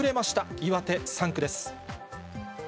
岩手３区です。